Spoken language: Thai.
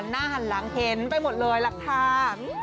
หน้าหันหลังเห็นไปหมดเลยหลักฐาน